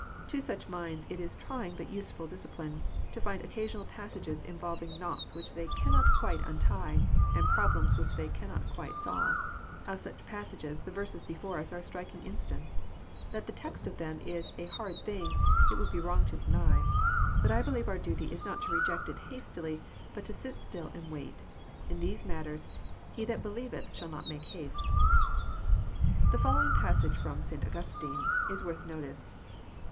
To such minds it is trying but useflil discipline to find occasional passages involv ing knots which they cannot quite untie, and problems which they cannot quite solve. Of such passages the verses before ns are a striking instance. That the text of them is " a hard thing it would be wrong to deny. But I believe our duty is not to reject it hastily, but to sit still and wait. In these matters he that believeth shall not make haste." The following passage flrom Augustine (De conjug. Adult.) is worth notice.